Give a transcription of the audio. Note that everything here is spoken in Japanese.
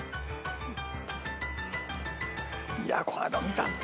いやこの間見たんだ。